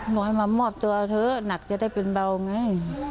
บอกให้มามอบตัวเถอะหนักจะได้เป็นเบาไง